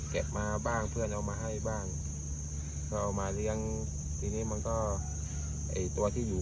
มาบ้างเพื่อนเอามาให้บ้างก็เอามาเลี้ยงทีนี้มันก็ไอ้ตัวที่อยู่